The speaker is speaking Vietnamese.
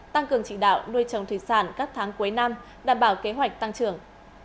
tăng cường trị đạo nuôi trồng thủy sản các tháng cuối năm đảm bảo kế hoạch tăng trưởng